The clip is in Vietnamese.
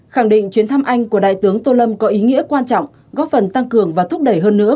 khẳng định chuyến thăm anh của đại tướng tô lâm có ý nghĩa quan trọng góp phần tăng cường và thúc đẩy hơn nữa